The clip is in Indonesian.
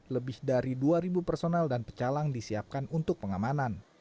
lebih dari dua personal dan pecalang disiapkan untuk pengamanan